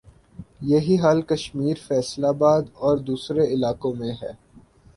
یہ ہی حال کشمیر، فیصل آباد اور دوسرے علاقوں میں ھے